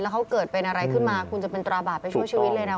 เขาเกิดเป็นอะไรขึ้นมาคุณจะเป็นตราบาปไปชั่วชีวิตเลยนะ